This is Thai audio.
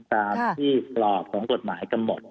ตามที่กรอบของกฎหมายกำหนด